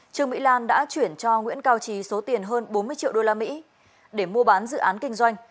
trương mỹ lan đã chuyển cho nguyễn cao trí số tiền hơn bốn mươi triệu usd để mua bán dự án kinh doanh